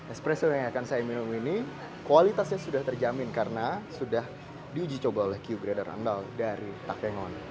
espresso yang akan saya minum ini kualitasnya sudah terjamin karena sudah diuji coba oleh q grader andal dari takengon